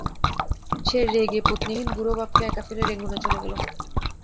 সে রেগে পত্নীহীন বুড়ো বাপকে একলা ফেলে রেঙুনে চলে গেল।